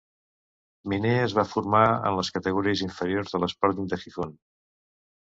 Miner es va formar en les categories inferiors de l'Sporting de Gijón.